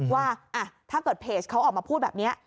ว่าถ้าเกิดเพจเขาออกมาพูดแบบนี้